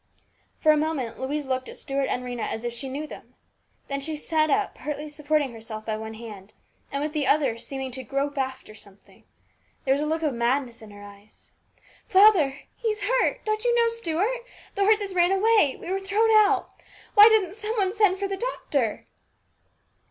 FOR a moment Louise looked at Stuart and Rhena as though she knew them. Then she sat up partly supporting herself by one hand, and with the other seeming to grope after something. There was a look of madness in her eyes. " Father ! He's hurt ! Don't you know, Stuart ? The horses ran away. We were thrown out ! Why doesn't some one send for the doctor